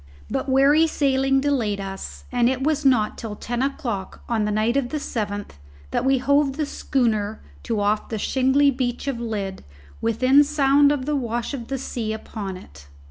But wary sailing delayed us; and it was not till ten o'clock on the night of the seventh that we hove the schooner to off the shingly beach of Lydd within sound of the wash of the sea upon it.